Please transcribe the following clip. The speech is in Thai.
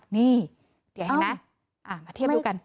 นี่เดี๋ยวเห็นไหมมาเทียบดูกัน